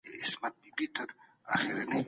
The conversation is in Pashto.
د سوداګرۍ پراختیا خلکو ته د کار زمینه برابروي.